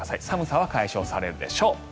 寒さは解消されるでしょう。